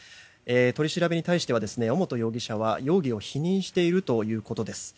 取り調べに対しは尾本容疑者は容疑を否認しているということです。